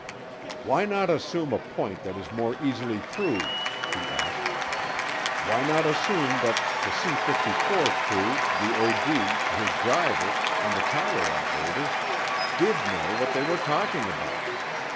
"Why not assume a point that is more easily proved?" he asked. "Why not assume that the C 54 crew, the OD, his driver, and the tower operators did know what they were talking about?